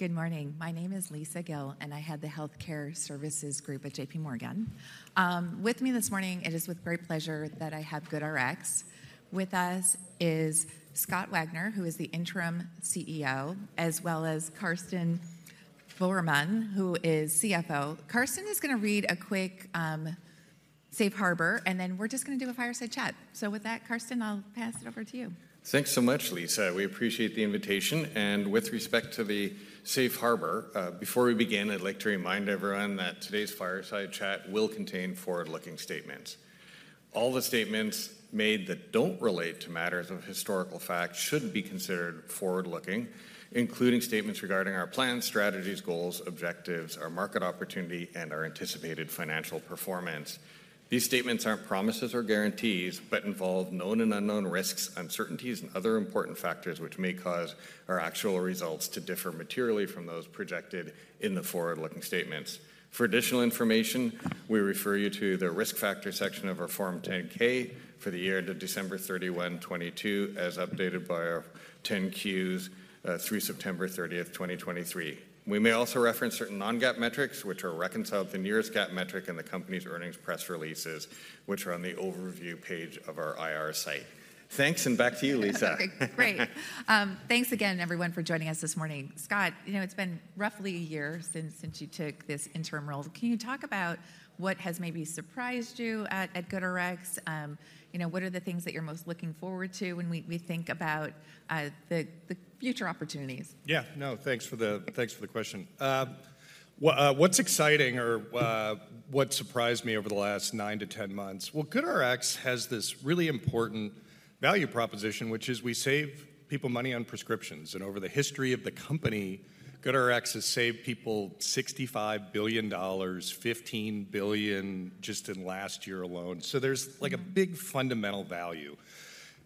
Good morning. My name is Lisa Gill, and I head the Healthcare Services Group at J.P. Morgan. With me this morning, it is with great pleasure that I have GoodRx. With us is Scott Wagner, who is the interim CEO, as well as Karsten Voermann, who is CFO. Karsten is gonna read a quick, safe harbor, and then we're just gonna do a fireside chat. So with that, Karsten, I'll pass it over to you. Thanks so much, Lisa. We appreciate the invitation. With respect to the safe harbor, before we begin, I'd like to remind everyone that today's fireside chat will contain forward-looking statements. All the statements made that don't relate to matters of historical fact should be considered forward-looking, including statements regarding our plans, strategies, goals, objectives, our market opportunity, and our anticipated financial performance. These statements aren't promises or guarantees, but involve known and unknown risks, uncertainties, and other important factors, which may cause our actual results to differ materially from those projected in the forward-looking statements. For additional information, we refer you to the Risk Factors section of our Form 10-K for the year ended December 31, 2022, as updated by our 10-Qs through September 30, 2023. We may also reference certain non-GAAP metrics, which are reconciled to the nearest GAAP metric in the company's earnings press releases, which are on the Overview page of our IR site. Thanks, and back to you, Lisa. Great. Great. Thanks again, everyone, for joining us this morning. Scott, you know, it's been roughly a year since you took this interim role. Can you talk about what has maybe surprised you at GoodRx? You know, what are the things that you're most looking forward to when we think about the future opportunities? Yeah. No, thanks for the question. What's exciting or what surprised me over the last 9-10 months? Well, GoodRx has this really important value proposition, which is we save people money on prescriptions, and over the history of the company, GoodRx has saved people $65 billion, $15 billion just in last year alone. So there's like a big fundamental value.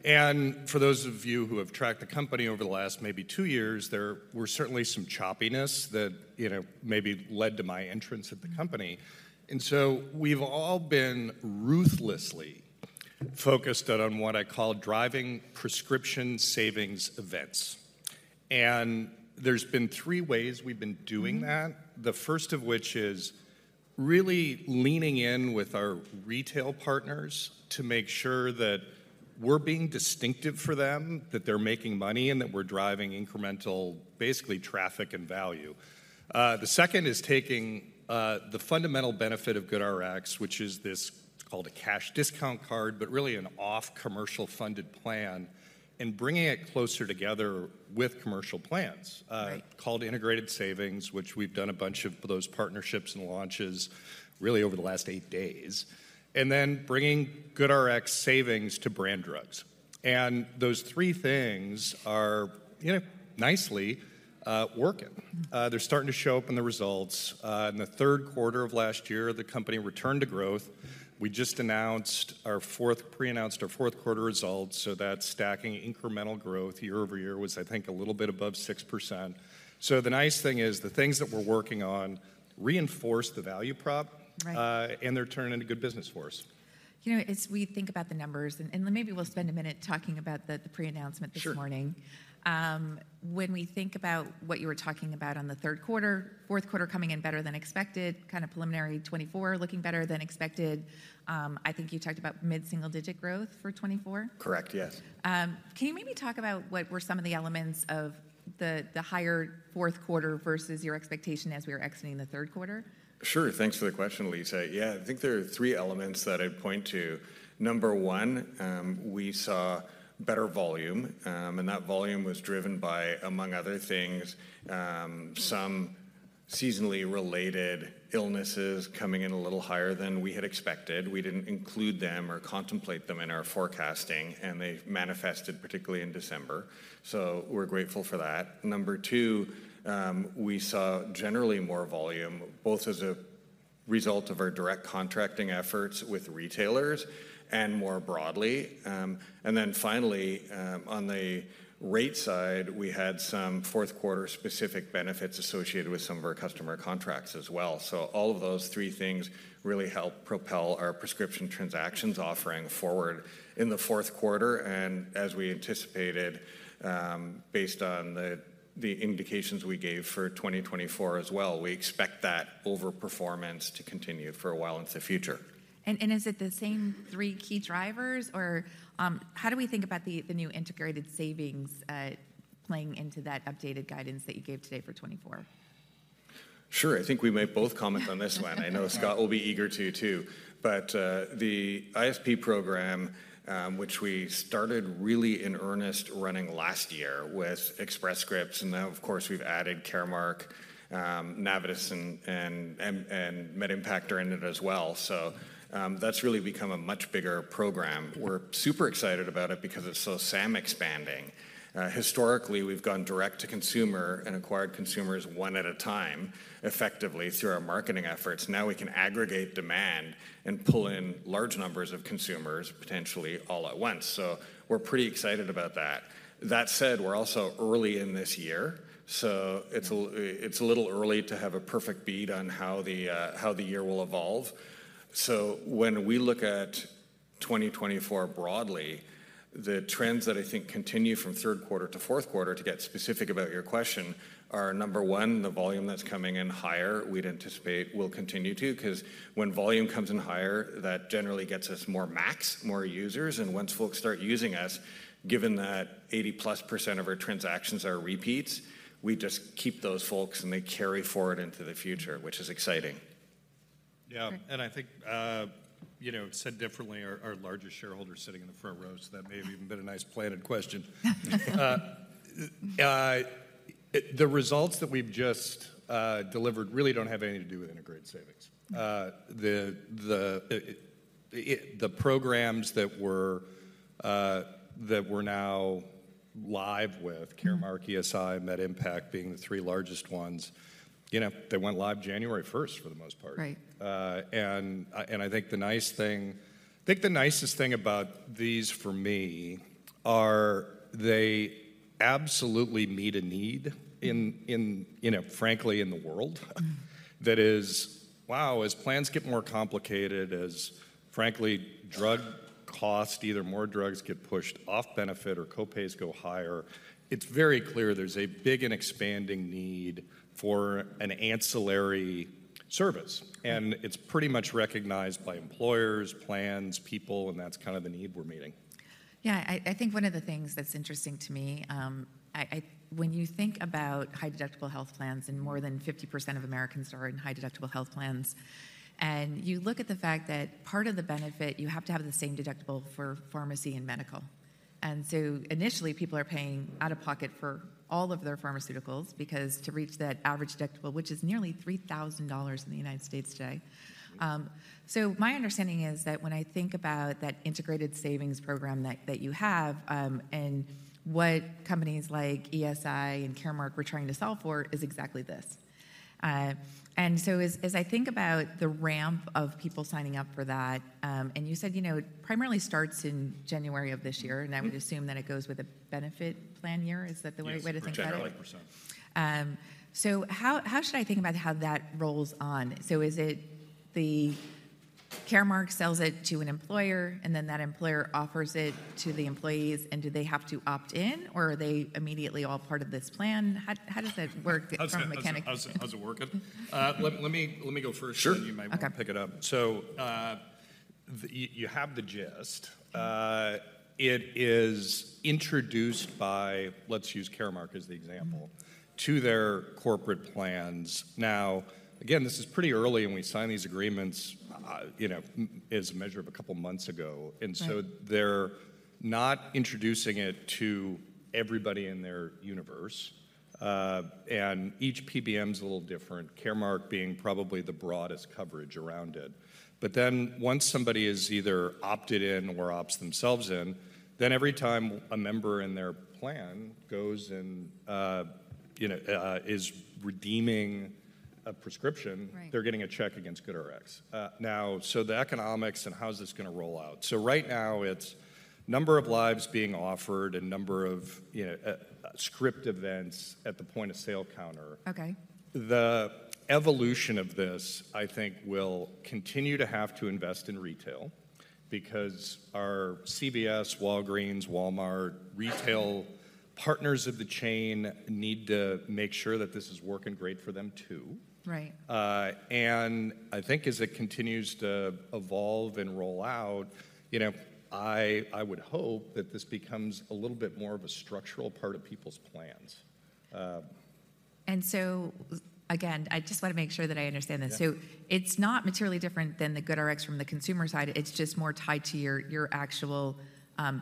And for those of you who have tracked the company over the last maybe two years, there were certainly some choppiness that, you know, maybe led to my entrance at the company. Mm-hmm. We've all been ruthlessly focused on what I call driving prescription savings events, and there's been three ways we've been doing that. Mm-hmm... the first of which is really leaning in with our retail partners to make sure that we're being distinctive for them, that they're making money, and that we're driving incremental, basically, traffic and value. The second is taking the fundamental benefit of GoodRx, which is this, it's called a cash discount card, but really an off-commercial funded plan, and bringing it closer together with commercial plans- Right... called Integrated Savings, which we've done a bunch of those partnerships and launches really over the last eight days. And then bringing GoodRx savings to brand drugs. And those three things are, you know, nicely working. Mm-hmm. They're starting to show up in the results. In the third quarter of last year, the company returned to growth. We just announced our fourth... pre-announced our fourth quarter results, so that's stacking incremental growth year-over-year, was, I think, a little bit above 6%. So the nice thing is, the things that we're working on reinforce the value prop- Right... and they're turning into good business for us. You know, as we think about the numbers, and maybe we'll spend a minute talking about the pre-announcement this morning- Sure... when we think about what you were talking about on the third quarter, fourth quarter coming in better than expected, kind of preliminary 2024 looking better than expected, I think you talked about mid-single-digit growth for 2024? Correct, yes. Can you maybe talk about what were some of the elements of the higher fourth quarter versus your expectation as we were exiting the third quarter? Sure. Thanks for the question, Lisa. Yeah, I think there are three elements that I'd point to. Number one, we saw better volume, and that volume was driven by, among other things, some seasonally related illnesses coming in a little higher than we had expected. We didn't include them or contemplate them in our forecasting, and they manifested particularly in December, so we're grateful for that. Number two, we saw generally more volume, both as a result of our direct contracting efforts with retailers and more broadly. And then finally, on the rate side, we had some fourth quarter specific benefits associated with some of our customer contracts as well. So all of those three things really helped propel our prescription transactions offering forward in the fourth quarter. As we anticipated, based on the indications we gave for 2024 as well, we expect that overperformance to continue for a while into the future. Is it the same three key drivers, or how do we think about the new Integrated Savings playing into that updated guidance that you gave today for 2024? Sure, I think we may both comment on this one. I know Scott will be eager to, too. But the ISP program, which we started really in earnest running last year with Express Scripts, and now, of course, we've added Caremark, Navitus, and MedImpact are in it as well. So that's really become a much bigger program. We're super excited about it because it's so SAM expanding. Historically, we've gone direct to consumer and acquired consumers one at a time, effectively through our marketing efforts. Now we can aggregate demand and pull in large numbers of consumers, potentially all at once. So we're pretty excited about that. That said, we're also early in this year, so it's a little early to have a perfect bead on how the year will evolve. So when we look at 2024 broadly, the trends that I think continue from third quarter to fourth quarter, to get specific about your question, are, number one, the volume that's coming in higher, we'd anticipate will continue to, 'cause when volume comes in higher, that generally gets us more MAC, more users. And once folks start using us, given that 80%+ of our transactions are repeats, we just keep those folks, and they carry forward into the future, which is exciting. Yeah. Great. I think, you know, said differently, our largest shareholder is sitting in the front row, so that may have even been a nice planted question. The results that we've just delivered really don't have anything to do with Integrated Savings. Yeah. The programs that we're now live with- Mm-hmm. Caremark, ESI, MedImpact being the three largest ones, you know, they went live January first, for the most part. Right. I think the nicest thing about these for me are they absolutely meet a need in, you know, frankly, in the world. Mm-hmm. That is, wow, as plans get more complicated, as frankly, drug costs, either more drugs get pushed off benefit or copays go higher, it's very clear there's a big and expanding need for an ancillary service. It's pretty much recognized by employers, plans, people, and that's kind of the need we're meeting. Yeah, I think one of the things that's interesting to me, when you think about high-deductible health plans, and more than 50% of Americans are in high-deductible health plans, and you look at the fact that part of the benefit, you have to have the same deductible for pharmacy and medical. And so initially, people are paying out of pocket for all of their pharmaceuticals, because to reach that average deductible, which is nearly $3,000 in the United States today. So my understanding is that when I think about that Integrated Savings program that you have, and what companies like ESI and Caremark were trying to solve for, is exactly this. And so, as I think about the ramp of people signing up for that, and you said, you know, it primarily starts in January of this year- Mm-hmm. I would assume that it goes with a benefit plan year. Is that the way to think about it? Yes, generally. 100%. So how should I think about how that rolls on? So is it the Caremark sells it to an employer, and then that employer offers it to the employees, and do they have to opt in, or are they immediately all part of this plan? How does it work from a mechanic- How's it working? Let me go first- Sure. and then you might want to pick it up. Okay. So, you have the gist. It is introduced by, let's use Caremark as the example- Mm-hmm... to their corporate plans. Now, again, this is pretty early, and we signed these agreements, you know, as a measure of a couple months ago. Right. And so they're not introducing it to everybody in their universe. And each PBM's a little different, Caremark being probably the broadest coverage around it. But then, once somebody is either opted in or opts themselves in, then every time a member in their plan goes and, you know, is redeeming a prescription- Right... they're getting a check against GoodRx. Now, so the economics and how is this gonna roll out? So right now, it's number of lives being offered and number of, you know, script events at the point-of-sale counter. Okay. The evolution of this, I think, will continue to have to invest in retail because our CVS, Walgreens, Walmart, retail partners of the chain need to make sure that this is working great for them, too. Right. I think as it continues to evolve and roll out, you know, I would hope that this becomes a little bit more of a structural part of people's plans. Again, I just want to make sure that I understand this. Yeah. So it's not materially different than the GoodRx from the consumer side. It's just more tied to your actual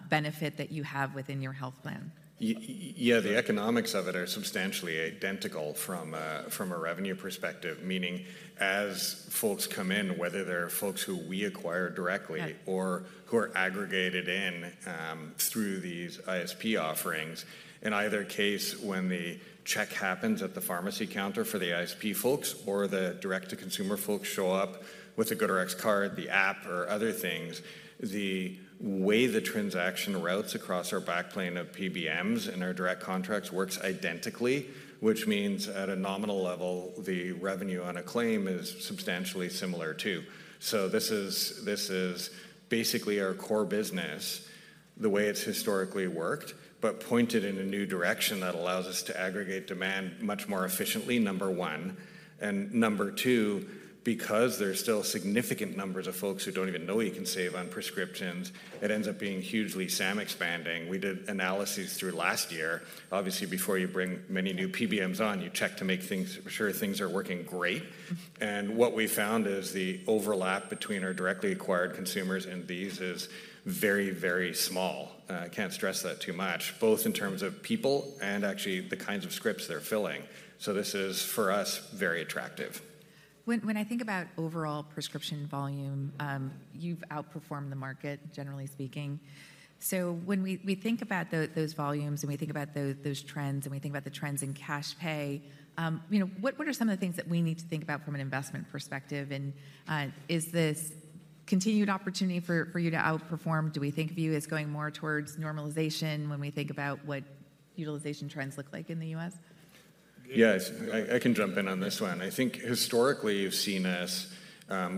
benefit that you have within your health plan. Yeah, the economics of it are substantially identical from a revenue perspective. Meaning, as folks come in, whether they're folks who we acquire directly- Right... or who are aggregated in, through these ISP offerings, in either case, when the check happens at the pharmacy counter for the ISP folks or the direct-to-consumer folks show up with a GoodRx card, the app, or other things, the way the transaction routes across our backplane of PBMs and our direct contracts works identically, which means at a nominal level, the revenue on a claim is substantially similar, too. So this is, this is basically our core business, the way it's historically worked, but pointed in a new direction that allows us to aggregate demand much more efficiently, number one. And number two, because there's still significant numbers of folks who don't even know you can save on prescriptions, it ends up being hugely SAM expanding. We did analyses through last year. Obviously, before you bring many new PBMs on, you check to make sure things are working great. Mm-hmm. What we found is the overlap between our directly acquired consumers and these is very, very small, I can't stress that too much, both in terms of people and actually the kinds of scripts they're filling. This is, for us, very attractive. When I think about overall prescription volume- Mm-hmm. You've outperformed the market, generally speaking. So when we think about those volumes, and we think about those trends, and we think about the trends in cash pay, you know, what are some of the things that we need to think about from an investment perspective? And, is this continued opportunity for you to outperform? Do we think of you as going more towards normalization when we think about what utilization trends look like in the U.S.? ... Yes, I can jump in on this one. I think historically, you've seen us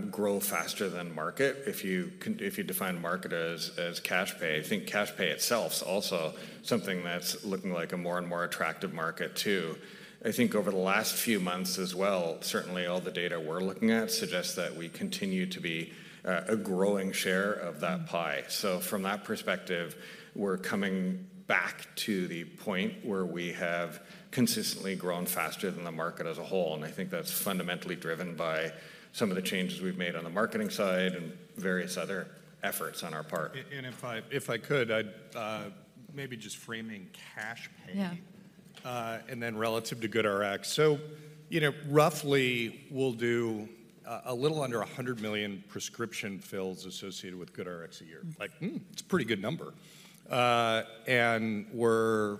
grow faster than market. If you can, if you define market as cash pay, I think cash pay itself is also something that's looking like a more and more attractive market, too. I think over the last few months as well, certainly all the data we're looking at suggests that we continue to be a growing share of that pie. So from that perspective, we're coming back to the point where we have consistently grown faster than the market as a whole, and I think that's fundamentally driven by some of the changes we've made on the marketing side and various other efforts on our part. And if I, if I could, I'd maybe just framing cash pay- Yeah... and then relative to GoodRx. So, you know, roughly, we'll do, a little under 100 million prescription fills associated with GoodRx a year. Like, it's a pretty good number. And we're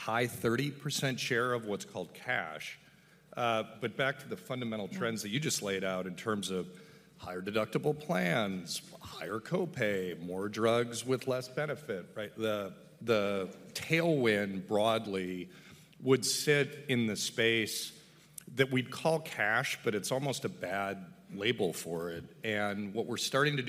high 30% share of what's called cash. But back to the fundamental trends- Yeah... that you just laid out in terms of higher deductible plans, higher copay, more drugs with less benefit, right? The tailwind broadly would sit in the space that we'd call cash, but it's almost a bad label for it. And what we're starting to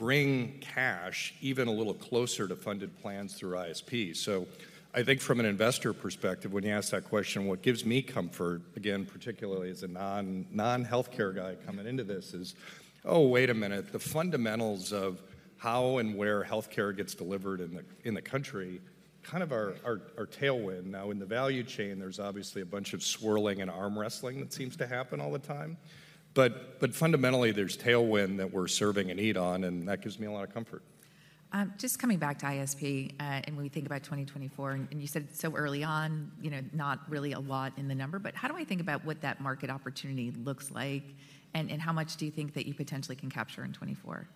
do now is bring cash even a little closer to funded plans through ISP. So I think from an investor perspective, when you ask that question, what gives me comfort, again, particularly as a non-healthcare guy coming into this, is, oh, wait a minute, the fundamentals of how and where healthcare gets delivered in the country kind of are tailwind. Now, in the value chain, there's obviously a bunch of swirling and arm wrestling that seems to happen all the time, but, but fundamentally, there's tailwind that we're serving and lean on, and that gives me a lot of comfort. Just coming back to ISP, and when we think about 2024, and, and you said so early on, you know, not really a lot in the number, but how do I think about what that market opportunity looks like? And, and how much do you think that you potentially can capture in 2024?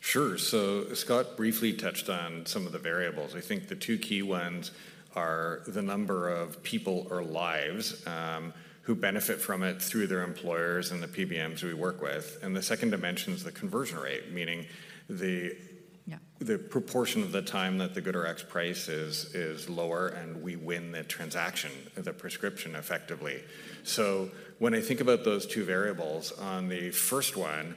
Sure. So Scott briefly touched on some of the variables. I think the two key ones are the number of people or lives who benefit from it through their employers and the PBMs we work with. And the second dimension is the conversion rate, meaning the- Yeah... the proportion of the time that the GoodRx price is lower, and we win the transaction, the prescription, effectively. So when I think about those two variables, on the first one,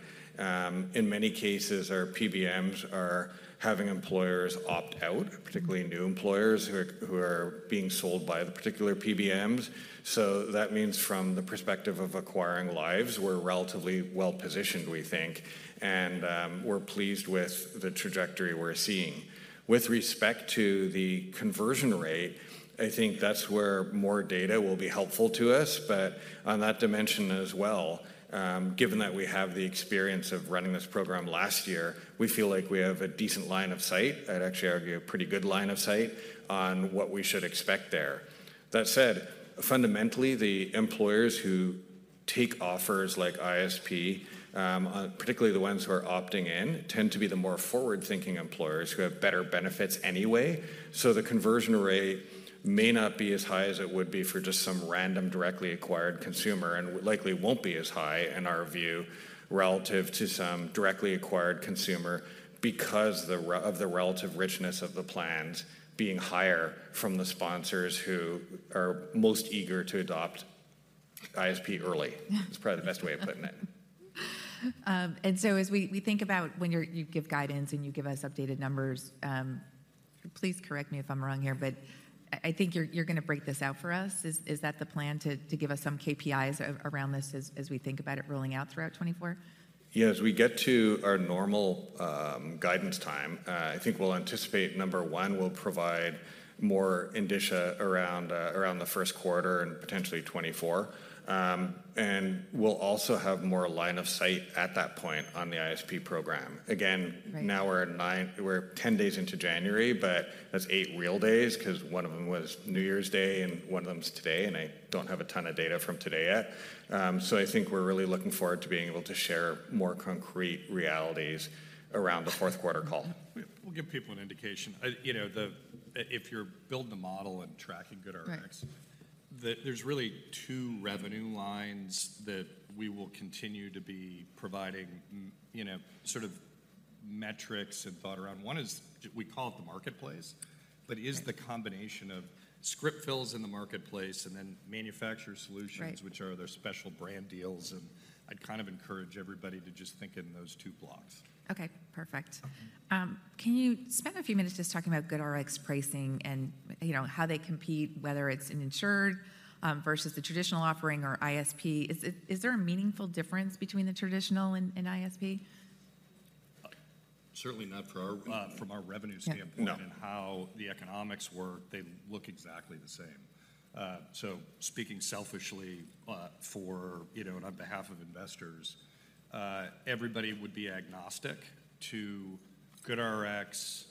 in many cases, our PBMs are having employers opt out, particularly new employers who are being sold by the particular PBMs. So that means from the perspective of acquiring lives, we're relatively well-positioned, we think, and, we're pleased with the trajectory we're seeing. With respect to the conversion rate, I think that's where more data will be helpful to us, but on that dimension as well, given that we have the experience of running this program last year, we feel like we have a decent line of sight. I'd actually argue a pretty good line of sight on what we should expect there. That said, fundamentally, the employers who take offers like ISP, particularly the ones who are opting in, tend to be the more forward-thinking employers who have better benefits anyway. So the conversion rate may not be as high as it would be for just some random, directly acquired consumer, and likely won't be as high, in our view, relative to some directly acquired consumer because the relative richness of the plans being higher from the sponsors who are most eager to adopt ISP early. Yeah That's probably the best way of putting it. And so as we think about when you're you give guidance and you give us updated numbers, please correct me if I'm wrong here, but I think you're gonna break this out for us. Is that the plan to give us some KPIs around this as we think about it rolling out throughout 2024? Yeah, as we get to our normal guidance time, I think we'll anticipate, number one, we'll provide more indicia around the first quarter and potentially 2024. And we'll also have more line of sight at that point on the ISP program. Again- Right... now we're at nine, we're 10 days into January, but that's eight real days 'cause one of them was New Year's Day, and one of them is today, and I don't have a ton of data from today yet. So I think we're really looking forward to being able to share more concrete realities around the fourth quarter call. We'll give people an indication. You know, if you're building a model and tracking GoodRx- Right... there, there's really two revenue lines that we will continue to be providing, you know, sort of metrics and thought around. One is we call it the marketplace, but is the combination of script fills in the marketplace and then Manufacturer Solutions- Right... which are their special brand deals, and I'd kind of encourage everybody to just think in those two blocks. Okay, perfect. Okay. Can you spend a few minutes just talking about GoodRx pricing and, you know, how they compete, whether it's in insured versus the traditional offering or ISP? Is there a meaningful difference between the traditional and ISP? Certainly not for our, from our revenue standpoint- No... and how the economics work, they look exactly the same. So speaking selfishly, for, you know, and on behalf of investors, everybody would be agnostic to GoodRx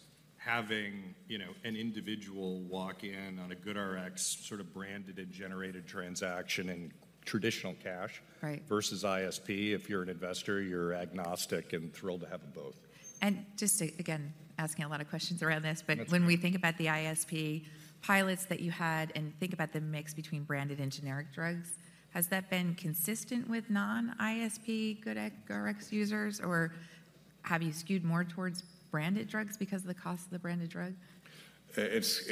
having, you know, an individual walk in on a GoodRx sort of branded and generated transaction and traditional cash- Right... versus ISP. If you're an investor, you're agnostic and thrilled to have them both. Just to, again, asking a lot of questions around this- That's okay... but when we think about the ISP pilots that you had and think about the mix between branded and generic drugs, has that been consistent with non-ISP GoodRx users, or have you skewed more towards branded drugs because of the cost of the branded drug? It's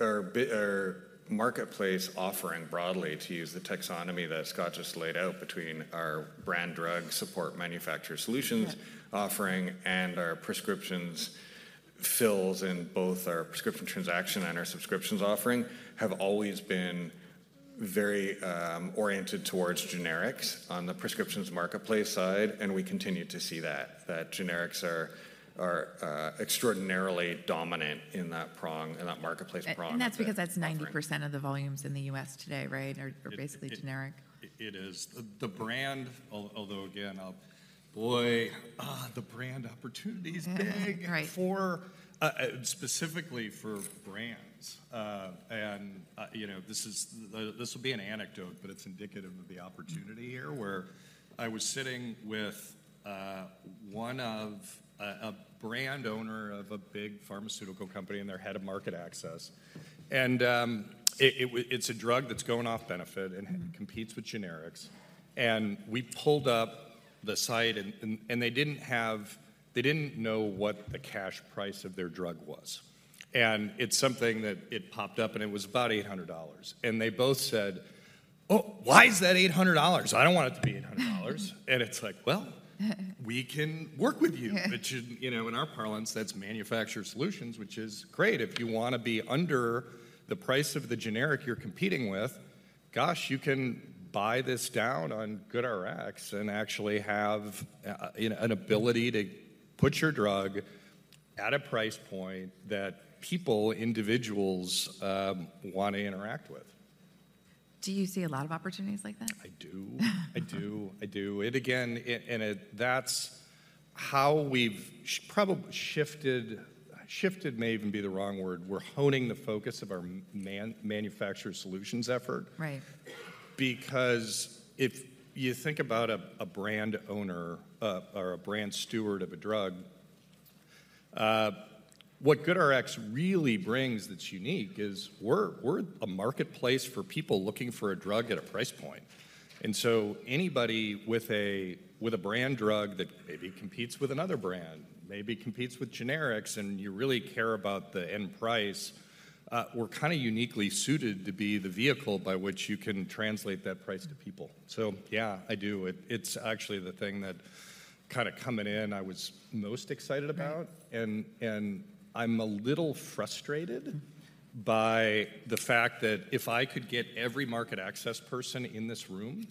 our marketplace offering broadly, to use the taxonomy that Scott just laid out, between our brand drug support Manufacturer Solutions- Yeah offering, and our prescriptions fills in both our prescription transaction and our subscriptions offering, have always been very oriented towards generics on the prescriptions marketplace side, and we continue to see that generics are extraordinarily dominant in that prong, in that marketplace prong. That's because that's 90% of the volumes in the U.S. today, right? Are basically generic. It is. The brand, although again, the brand opportunity is big! Right. Specifically for brands. You know, this will be an anecdote, but it's indicative of the opportunity here, where I was sitting with a brand owner of a big pharmaceutical company and their head of market access. It's a drug that's going off benefit and competes with generics. We pulled up the site, and they didn't know what the cash price of their drug was. Something popped up, and it was about $800. They both said: "Oh, why is that $800? I don't want it to be $800." It's like: "Well, we can work with you. Yeah. Which, you know, in our parlance, that's Manufacturer Solutions, which is great. If you wanna be under the price of the generic you're competing with, gosh, you can buy this down on GoodRx and actually have, you know, an ability to put your drug at a price point that people, individuals, want to interact with. Do you see a lot of opportunities like that? I do. I do. I do. And again, it—that's how we've probably shifted. Shifted may even be the wrong word. We're honing the focus of our Manufacturer Solutions effort. Right. Because if you think about a brand owner or a brand steward of a drug, what GoodRx really brings that's unique is we're a marketplace for people looking for a drug at a price point. And so anybody with a brand drug that maybe competes with another brand, maybe competes with generics, and you really care about the end price, we're kind of uniquely suited to be the vehicle by which you can translate that price to people. So yeah, I do. It's actually the thing that kind of coming in, I was most excited about. Right. I'm a little frustrated by the fact that if I could get every market access person in this room,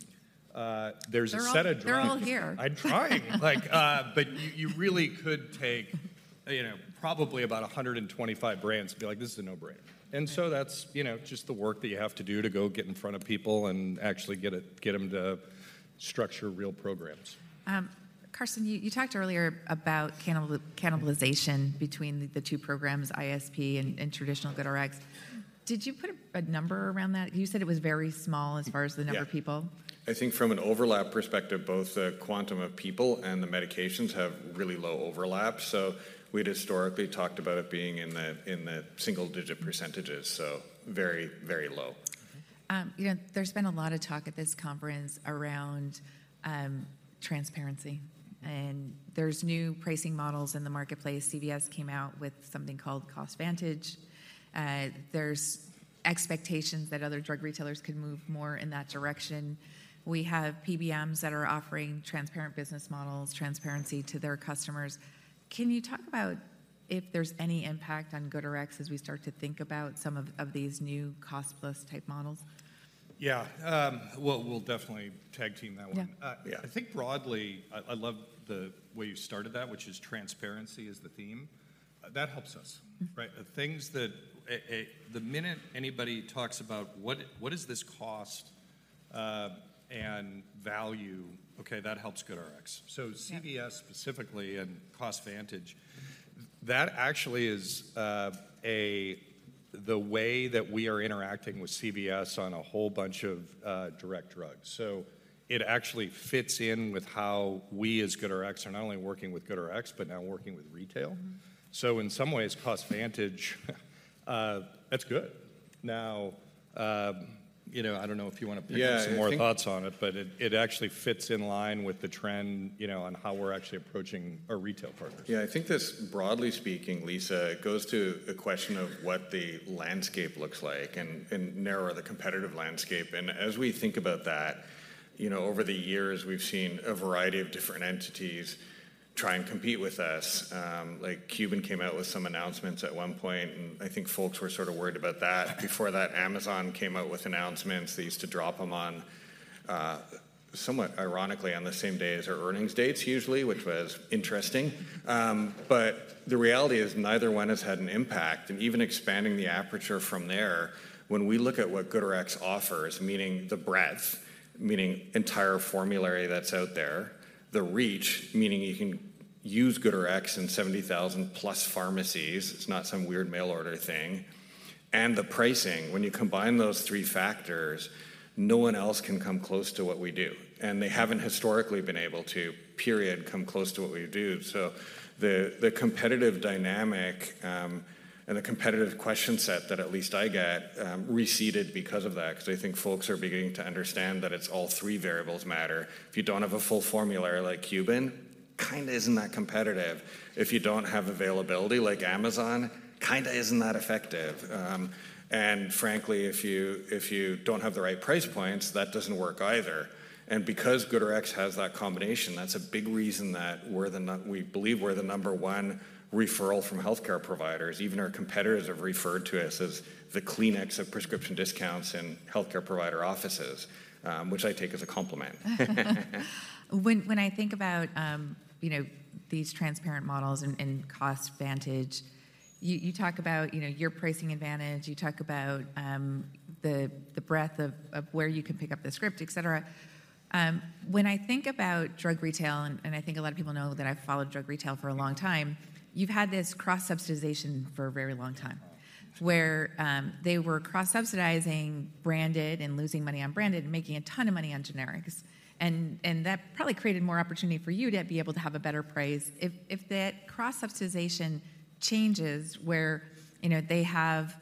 there's a set of drugs- They're all, they're all here. I'm trying! Like, but you, you really could take, you know, probably about 125 brands and be like: "This is a no-brainer." And so that's, you know, just the work that you have to do to go get in front of people and actually get it, get them to structure real programs. Karsten, you talked earlier about cannibalization between the two programs, ISP and traditional GoodRx. Did you put a number around that? You said it was very small as far as the number of people. Yeah. I think from an overlap perspective, both the quantum of people and the medications have really low overlap. So we'd historically talked about it being in the single-digit %, so very, very low. You know, there's been a lot of talk at this conference around transparency, and there's new pricing models in the marketplace. CVS came out with something called CostVantage. There's expectations that other drug retailers could move more in that direction. We have PBMs that are offering transparent business models, transparency to their customers. Can you talk about if there's any impact on GoodRx as we start to think about some of these new cost-plus type models? Yeah. We'll, we'll definitely tag team that one. Yeah. Yeah, I think broadly, I love the way you started that, which is transparency is the theme. That helps us, right? Mm. The things that, the minute anybody talks about what does this cost, and value, okay, that helps GoodRx. Yeah. So CVS specifically and CostVantage, that actually is the way that we are interacting with CVS on a whole bunch of direct drugs. So it actually fits in with how we, as GoodRx, are not only working with GoodRx, but now working with retail. Mm-hmm. So in some ways, CostVantage, that's good. Now, you know, I don't know if you wanna give some more thoughts on it- Yeah, I think-... but it actually fits in line with the trend, you know, on how we're actually approaching our retail partners. Yeah, I think this, broadly speaking, Lisa, it goes to the question of what the landscape looks like and, and narrower, the competitive landscape. And as we think about that, you know, over the years, we've seen a variety of different entities try and compete with us. Like, Cuban came out with some announcements at one point, and I think folks were sort of worried about that. Before that, Amazon came out with announcements. They used to drop them on, somewhat ironically, on the same day as our earnings dates usually, which was interesting. But the reality is neither one has had an impact. Even expanding the aperture from there, when we look at what GoodRx offers, meaning the breadth, meaning entire formulary that's out there, the reach, meaning you can use GoodRx in 70,000+ pharmacies, it's not some weird mail order thing, and the pricing. When you combine those three factors, no one else can come close to what we do, and they haven't historically been able to, period, come close to what we do. The competitive dynamic and the competitive question set that at least I get receded because of that, because I think folks are beginning to understand that it's all three variables matter. If you don't have a full formulary like Cuban, kinda isn't that competitive. If you don't have availability like Amazon, kinda isn't that effective. Frankly, if you don't have the right price points, that doesn't work either. And because GoodRx has that combination, that's a big reason that we're the number one referral from healthcare providers. Even our competitors have referred to us as the Kleenex of prescription discounts in healthcare provider offices, which I take as a compliment. When I think about, you know, these transparent models and cost vantage, you talk about, you know, your pricing advantage, you talk about the breadth of where you can pick up the script, et cetera. When I think about drug retail, and I think a lot of people know that I've followed drug retail for a long time, you've had this cross-subsidization for a very long time, where they were cross-subsidizing branded and losing money on branded and making a ton of money on generics. That probably created more opportunity for you to be able to have a better price. If that cross-subsidization changes where, you know, they have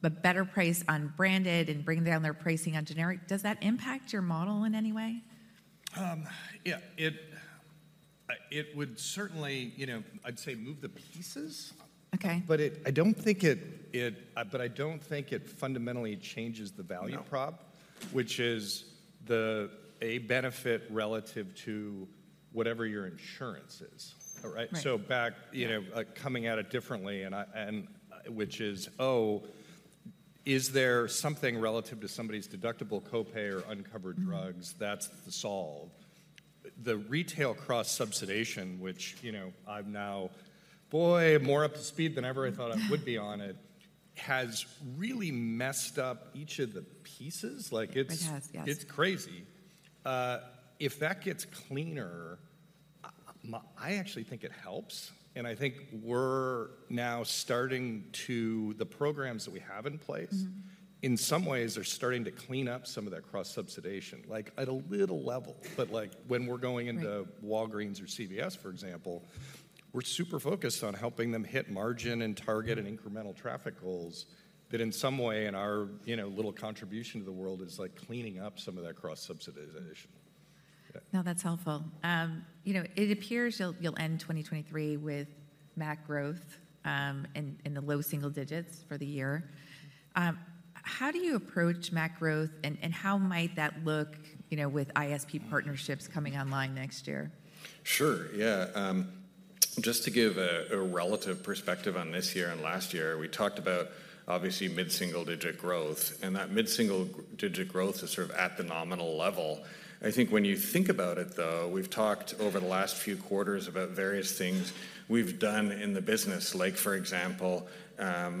the better price on branded and bring down their pricing on generic, does that impact your model in any way? Yeah, it would certainly, you know, I'd say, move the pieces. Okay. But I don't think it fundamentally changes the value prop- No... which is a benefit relative to whatever your insurance is. All right? Right. So back, you know, coming at it differently, which is, oh, is there something relative to somebody's deductible, copay or uncovered drugs? Mm-hmm. -that's the solve? The retail cross-subsidization, which, you know, I'm now, boy, more up to speed than ever I thought I would be on it, has really messed up each of the pieces. Like, it's- It has, yes. It's crazy. If that gets cleaner, I actually think it helps, and I think we're now starting to... The programs that we have in place. Mm-hmm... in some ways are starting to clean up some of that cross-subsidization, like, at a little level. But, like, when we're going into- Right... Walgreens or CVS, for example, we're super focused on helping them hit margin and target and incremental traffic goals that in some way, in our, you know, little contribution to the world, is like cleaning up some of that cross-subsidization. Yeah. No, that's helpful. You know, it appears you'll end 2023 with MAC growth in the low single digits for the year. How do you approach MAC growth and how might that look, you know, with ISP partnerships coming online next year? Sure, yeah. Just to give a relative perspective on this year and last year, we talked about obviously mid-single-digit growth, and that mid-single-digit growth is sort of at the nominal level. I think when you think about it, though, we've talked over the last few quarters about various things we've done in the business. Like, for example,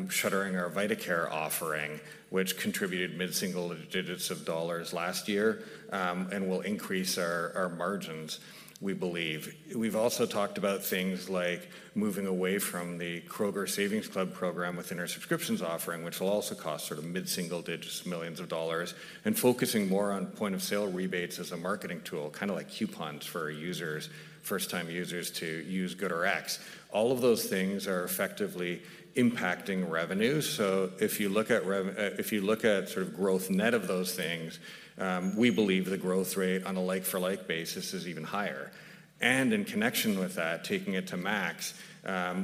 shuttering our VitaCare offering, which contributed mid-single digits of dollars last year, and will increase our margins, we believe. We've also talked about things like moving away from the Kroger Savings Club program within our subscriptions offering, which will also cost sort of mid-single digits, millions of dollars, and focusing more on point-of-sale rebates as a marketing tool, kinda like coupons for users, first-time users to use GoodRx. All of those things are effectively impacting revenue. So if you look at sort of growth net of those things, we believe the growth rate on a like-for-like basis is even higher. And in connection with that, taking it to max,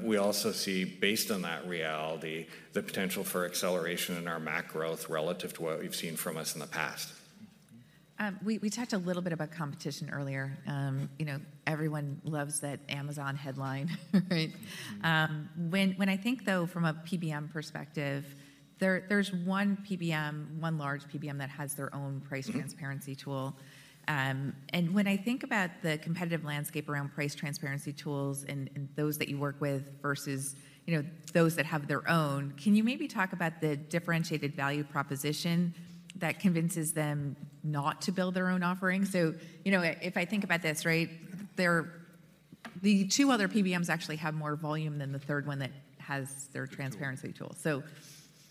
we also see, based on that reality, the potential for acceleration in our MAC growth relative to what you've seen from us in the past. We talked a little bit about competition earlier. You know, everyone loves that Amazon headline, right? Mm-hmm. When I think, though, from a PBM perspective, there's one PBM, one large PBM, that has their own price- Mm-hmm... transparency tool. When I think about the competitive landscape around price transparency tools and, and those that you work with versus, you know, those that have their own, can you maybe talk about the differentiated value proposition that convinces them not to build their own offering? So, you know, if I think about this, right, the two other PBMs actually have more volume than the third one that has their- Tool ...transparency tool. So-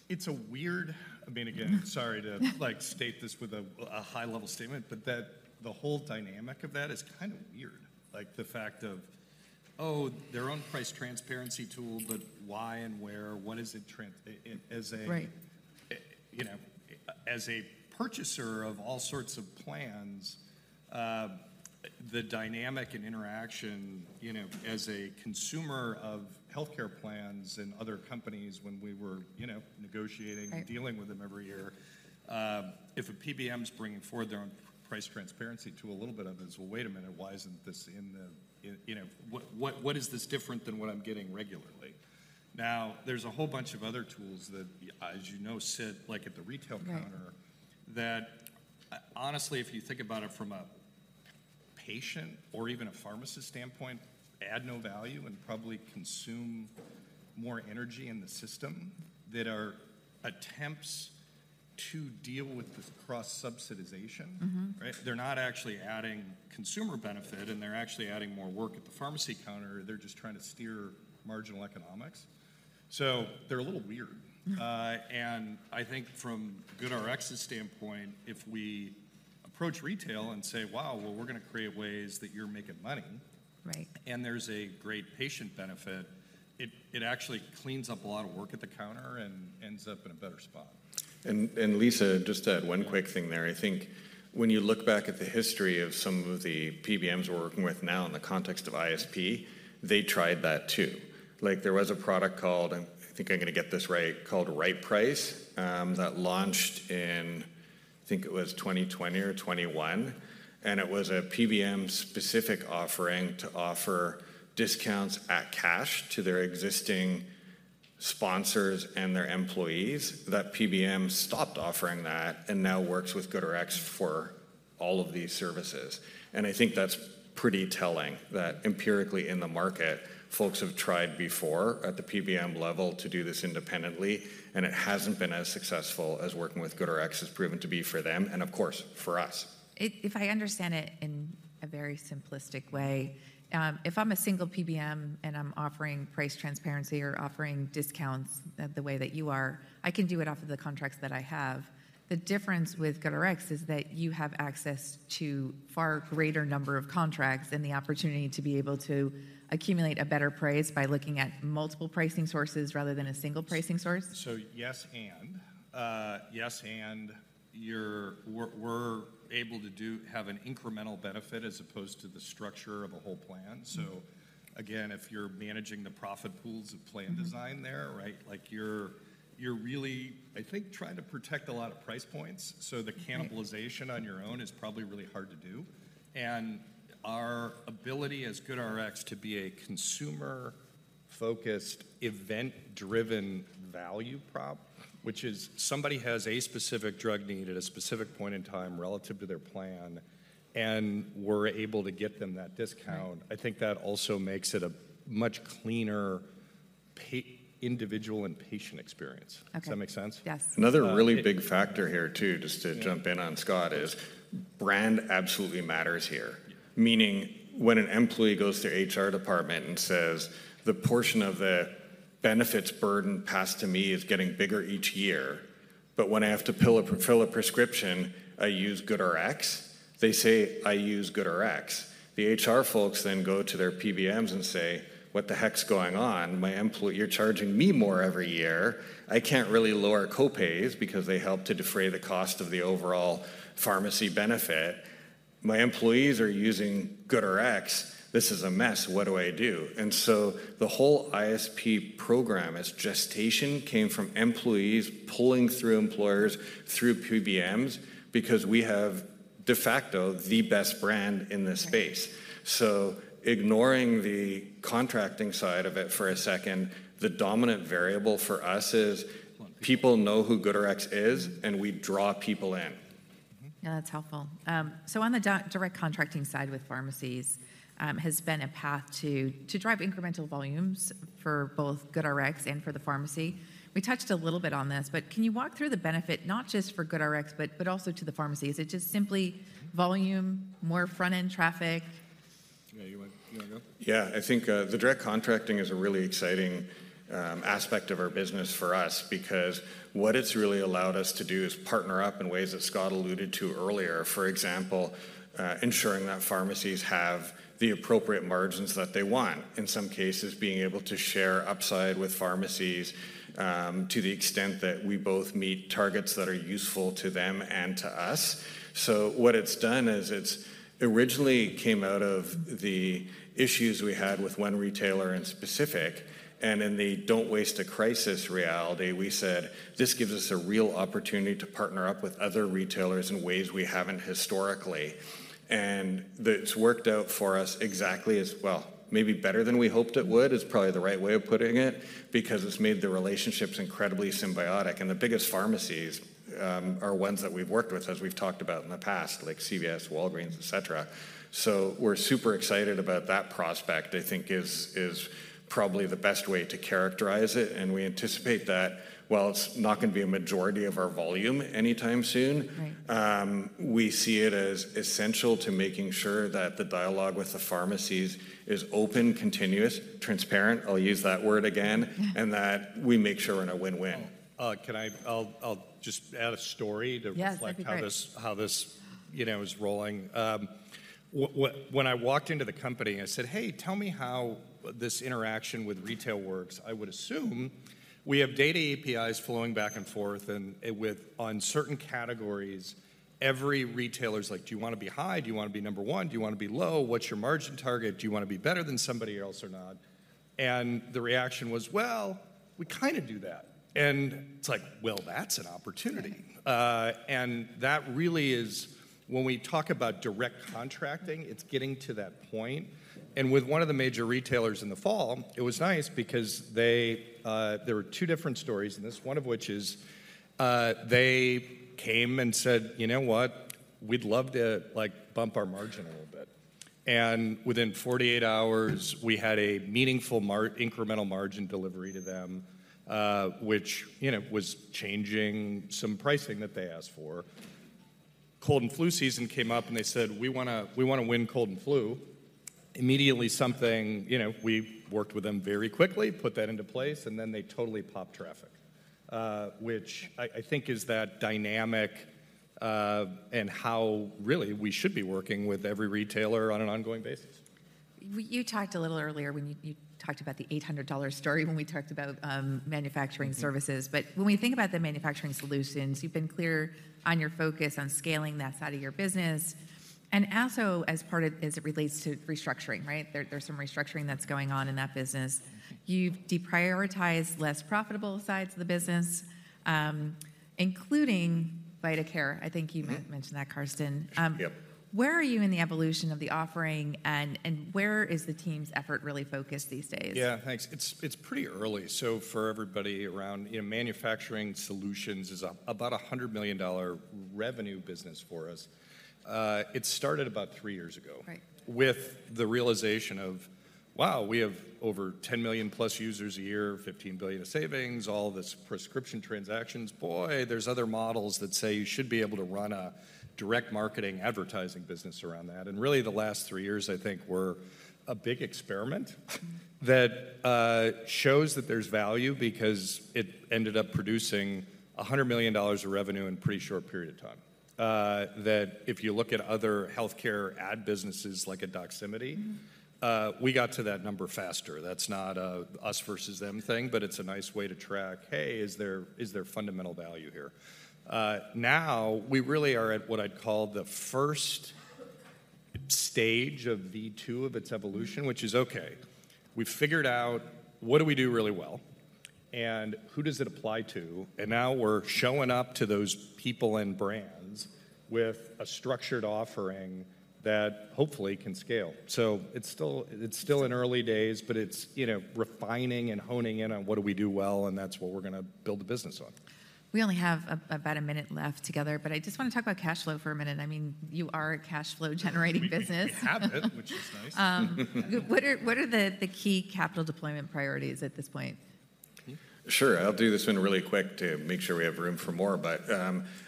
It's a weird. I mean, again, sorry to, like, state this with a high-level statement, but that, the whole dynamic of that is kind of weird. Like, the fact of, oh, their own price transparency tool, but why and where? What is it trans- and as a- Right... you know, as a purchaser of all sorts of plans, the dynamic and interaction, you know, as a consumer of healthcare plans and other companies when we were, you know, negotiating- Right... and dealing with them every year, if a PBM's bringing forward their own price transparency tool, a little bit of it is, well, wait a minute, why isn't this in the, in, you know... What, what, what is this different than what I'm getting regularly? Now, there's a whole bunch of other tools that, as you know, sit, like, at the retail counter- Right... that, honestly, if you think about it from a patient or even a pharmacist standpoint, add no value and probably consume more energy in the system that are attempts to deal with this cross-subsidization. Mm-hmm. Right? They're not actually adding consumer benefit, and they're actually adding more work at the pharmacy counter. They're just trying to steer-... marginal economics. So they're a little weird. I think from GoodRx's standpoint, if we approach retail and say: Wow! Well, we're gonna create ways that you're making money. Right. There's a great patient benefit. It actually cleans up a lot of work at the counter and ends up in a better spot. And, Lisa, just to add one quick thing there. I think when you look back at the history of some of the PBMs we're working with now in the context of ISP, they tried that too. Like, there was a product called, and I think I'm gonna get this right, called Right Price, that launched in, I think it was 2020 or 2021, and it was a PBM-specific offering to offer discounts at cash to their existing sponsors and their employees. That PBM stopped offering that and now works with GoodRx for all of these services. And I think that's pretty telling, that empirically in the market, folks have tried before at the PBM level to do this independently, and it hasn't been as successful as working with GoodRx has proven to be for them, and of course, for us. If, if I understand it in a very simplistic way, if I'm a single PBM and I'm offering price transparency or offering discounts the way that you are, I can do it off of the contracts that I have. The difference with GoodRx is that you have access to far greater number of contracts and the opportunity to be able to accumulate a better price by looking at multiple pricing sources rather than a single pricing source? So yes, and we're able to have an incremental benefit as opposed to the structure of a whole plan. So again, if you're managing the profit pools of plan design there, right? Like you're really, I think, trying to protect a lot of price points, so the cannibalization on your own is probably really hard to do. And our ability as GoodRx to be a consumer-focused, event-driven value prop, which is somebody has a specific drug need at a specific point in time relative to their plan, and we're able to get them that discount. Right. I think that also makes it a much cleaner individual and patient experience. Okay. Does that make sense? Yes. Another really big factor here, too, just to jump in on Scott, is brand absolutely matters here. Yeah. Meaning, when an employee goes to HR department and says, "The portion of the benefits burden passed to me is getting bigger each year, but when I have to fill a prescription, I use GoodRx?" They say, "I use GoodRx." The HR folks then go to their PBMs and say, "What the heck's going on? My employees. You're charging me more every year. I can't really lower copays because they help to defray the cost of the overall pharmacy benefit. My employees are using GoodRx. This is a mess. What do I do?" And so the whole ISP program, its gestation came from employees pulling through employers through PBMs because we have, de facto, the best brand in this space. Right. So ignoring the contracting side of it for a second, the dominant variable for us is people know who GoodRx is, and we draw people in. Mm-hmm. Yeah, that's helpful. So on the direct contracting side with pharmacies, has been a path to drive incremental volumes for both GoodRx and for the pharmacy. We touched a little bit on this, but can you walk through the benefit, not just for GoodRx, but also to the pharmacies? Is it just simply volume, more front-end traffic? Yeah, you wanna, you wanna go? Yeah. I think, the direct contracting is a really exciting, aspect of our business for us because what it's really allowed us to do is partner up in ways that Scott alluded to earlier. For example, ensuring that pharmacies have the appropriate margins that they want. In some cases, being able to share upside with pharmacies, to the extent that we both meet targets that are useful to them and to us. So what it's done is it's originally came out of the issues we had with one retailer in specific, and in the "don't waste a crisis" reality, we said: This gives us a real opportunity to partner up with other retailers in ways we haven't historically. And that's worked out for us exactly as... Well, maybe better than we hoped it would, is probably the right way of putting it, because it's made the relationships incredibly symbiotic. And the biggest pharmacies are ones that we've worked with, as we've talked about in the past, like CVS, Walgreens, et cetera. So we're super excited about that prospect, I think is, is probably the best way to characterize it, and we anticipate that while it's not going to be a majority of our volume anytime soon- Right... we see it as essential to making sure that the dialogue with the pharmacies is open, continuous, transparent, I'll use that word again- Yeah... and that we make sure we're in a win-win. Oh, can I-- I'll just add a story to- Yes, that'd be great.... reflect how this you know is rolling. When I walked into the company and I said, "Hey, tell me how this interaction with retail works. I would assume we have data APIs flowing back and forth, and it with, on certain categories, every retailer's like: Do you want to be high? Do you want to be number one? Do you want to be low? What's your margin target? Do you want to be better than somebody else or not?" And the reaction was, "Well, we kinda do that." And it's like, "Well, that's an opportunity. Right. That really is when we talk about direct contracting; it's getting to that point. With one of the major retailers in the fall, it was nice because they... There were two different stories in this, one of which is, they came and said, "You know what? We'd love to, like, bump our margin a little bit." And within 48 hours, we had a meaningful incremental margin delivery to them, which, you know, was changing some pricing that they asked for. Cold and flu season came up, and they said: We wanna, we wanna win cold and flu. Immediately, you know, we worked with them very quickly, put that into place, and then they totally popped traffic, which I think is that dynamic, and how really we should be working with every retailer on an ongoing basis. You talked a little earlier when you talked about the $800 story when we talked about manufacturing services. Mm-hmm. But when we think about the manufacturing solutions, you've been clear on your focus on scaling that side of your business, and also as part of, as it relates to restructuring, right? There's some restructuring that's going on in that business. You've deprioritized less profitable sides of the business, including VitaCare. I think you- Mm... mentioned that, Karsten. Yep. Where are you in the evolution of the offering, and where is the team's effort really focused these days? Yeah, thanks. It's, it's pretty early. So for everybody around, you know, manufacturing solutions is a, about a $100 million revenue business for us. It started about three years ago- Right... with the realization of, wow, we have over 10 million plus users a year, $15 billion of savings, all this prescription transactions. Boy, there's other models that say you should be able to run a direct marketing advertising business around that. And really, the last three years, I think, were a big experiment that shows that there's value because it ended up producing $100 million of revenue in a pretty short period of time. That if you look at other healthcare ad businesses, like a Doximity- Mm-hmm... we got to that number faster. That's not a us versus them thing, but it's a nice way to track, hey, is there, is there fundamental value here? Now we really are at what I'd call the first stage of V2 of its evolution- Mm... which is, okay, we've figured out what we do really well, and who does it apply to? Now we're showing up to those people and brands with a structured offering that hopefully can scale. It's still, it's still in early days, but it's, you know, refining and honing in on what we do well, and that's what we're gonna build a business on. We only have about a minute left together, but I just want to talk about cash flow for a minute. I mean, you are a cash flow generating business. We have it, which is nice. What are the key capital deployment priorities at this point? Sure, I'll do this one really quick to make sure we have room for more. But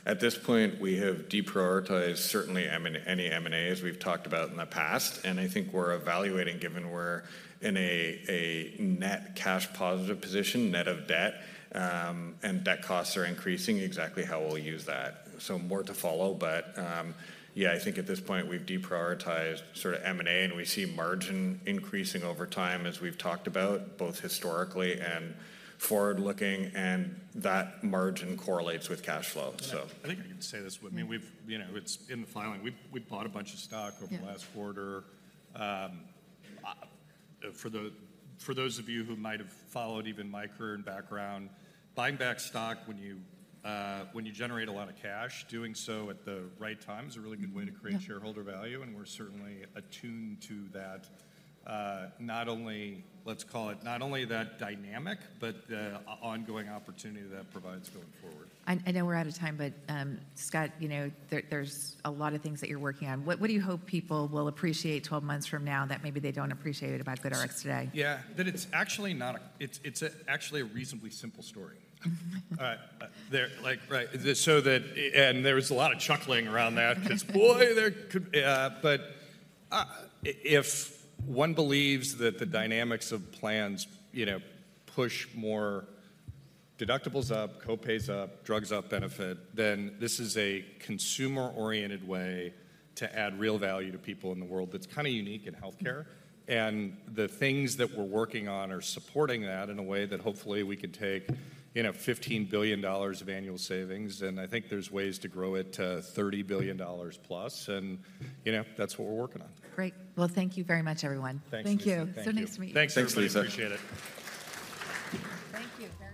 at this point, we have deprioritized certainly M&A, as we've talked about in the past, and I think we're evaluating, given we're in a net cash positive position, net of debt, and debt costs are increasing, exactly how we'll use that. So more to follow, but yeah, I think at this point we've deprioritized sort of M&A, and we see margin increasing over time, as we've talked about, both historically and forward-looking, and that margin correlates with cash flow, so. I think I need to say this. I mean, we've, you know, it's in the filing. We've bought a bunch of stock- Yeah... over the last quarter. For those of you who might have followed even my career and background, buying back stock when you, when you generate a lot of cash, doing so at the right time is a really good way. Mm-hmm. Yeah... to create shareholder value, and we're certainly attuned to that. Not only, let's call it not only that dynamic, but the ongoing opportunity that provides going forward. I know we're out of time, but Scott, you know, there's a lot of things that you're working on. What do you hope people will appreciate 12 months from now that maybe they don't appreciate about GoodRx today? Yeah. That it's actually not a... It's actually a reasonably simple story. And there was a lot of chuckling around that 'cause, boy, there could. But, if one believes that the dynamics of plans, you know, push more deductibles up, co-pays up, drugs up benefit, then this is a consumer-oriented way to add real value to people in the world that's kind of unique in healthcare. And the things that we're working on are supporting that in a way that hopefully we can take, you know, $15 billion of annual savings, and I think there's ways to grow it to $30 billion plus. And, you know, that's what we're working on. Great. Well, thank you very much, everyone. Thanks, Lisa. Thank you. Thank you. So nice to meet you. Thanks, everybody. Thanks, Lisa. Appreciate it. Thank you very much.